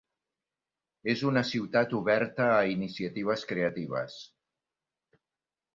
És una ciutat oberta a iniciatives creatives.